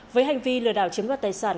với hành vi lừa đảo chiếm đoạt tài sản